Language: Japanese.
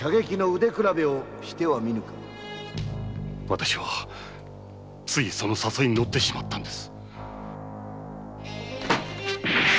私はついその誘いに乗ってしまったのです。